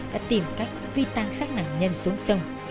đã tìm cách phi tan xác nạn nhân xuống sông